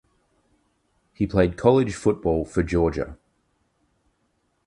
He played college football for Georgia.